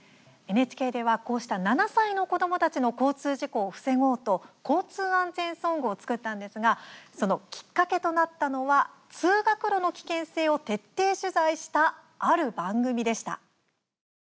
ＮＨＫでは、こうした７歳の子どもたちの交通事故を防ごうと交通安全ソングを作ったんですがそのきっかけとなったのは通学路の危険性を徹底取材したある番組でした。